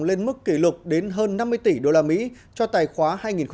lên mức kỷ lục đến hơn năm mươi tỷ usd cho tài khoá hai nghìn một mươi bảy